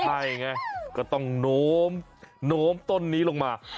ให้ไงก็ต้องโหนมโหนมต้นนี้ลงมา